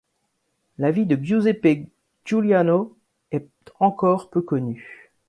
La vie de Giuseppe Giuliano est encore peu connue.